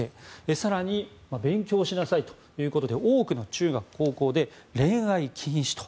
更に、勉強しなさいということで多くの中学、高校で恋愛禁止と。